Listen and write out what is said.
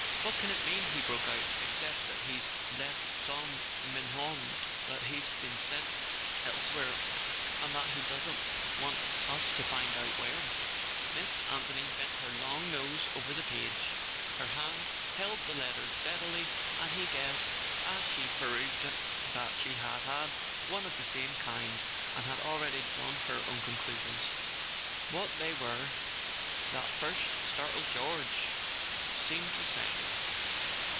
"What can it mean," he broke out, "except that he's left Sainte Menehould, that he's been sent [ 211 ] A SON AT THE FRONT elsewhere, and that he doesn't want us to find out where ?" Miss Anthony bent her long nose over the page. Her hand held the letter steadily, and he guessed, as she perused it, that she had had one of the same kind, and had already drawn her own conclusions. What they were, that first startled "George!" seemed to say.